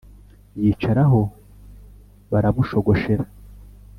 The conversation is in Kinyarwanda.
yicaraho, barabushogoshera. .